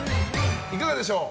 いかがでしょう。